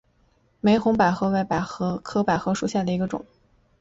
玫红百合为百合科百合属下的一个种。